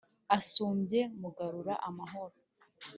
usumbye mugarura amahoro